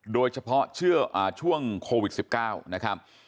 โดยเฉพาะช่วงโควิด๑๙นะครับ